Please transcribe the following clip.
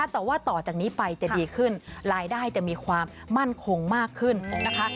แต่ว่าต่อจากนี้ไปจะดีขึ้นรายได้จะมีความมั่นคงมากขึ้นนะคะ